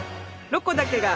「ロコだけが」。